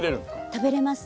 食べれます。